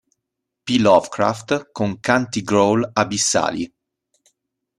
P. Lovecraft, con canti growl abissali.